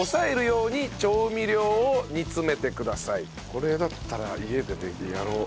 これだったら家でやろう。